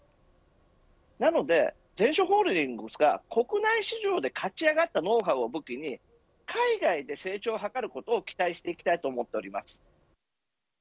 なのでゼンショーホールディングスが国内市場で勝ち上がったノウハウを武器に海外で成長を図ることを期待したいと思っています。